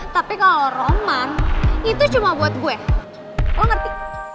tapi kalau roman itu cuma buat gue lo ngerti